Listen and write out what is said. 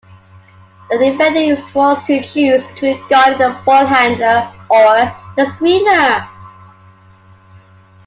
The defender is forced to choose between guarding the ballhandler or the screener.